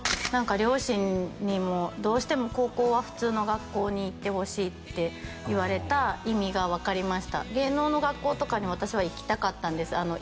何か両親にもどうしても高校は普通の学校に行ってほしいって言われた意味が分かりました芸能の学校とかに私は行きたかったんです